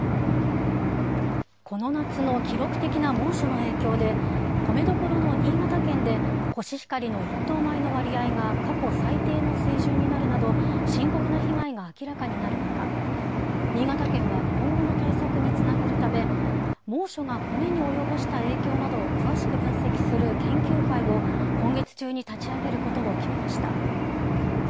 この夏の記録的な猛暑の影響で、米どころの新潟県で、コシヒカリの１等米の割合が過去最低の水準になるなど、深刻な被害が明らかになる中、新潟県は今後の対策につなげるため、猛暑がコメに及ぼした影響などを詳しく分析する研究会を、今月中に立ち上げることを決めました。